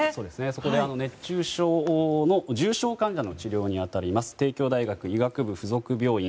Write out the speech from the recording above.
そこで、熱中症の重症患者の治療に当たります帝京大学医学部附属病院